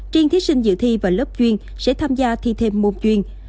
triên thiết sinh dự thi vào lớp chuyên sẽ tham gia thi thêm môn chuyên